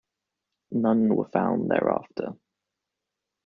None were found thereafter.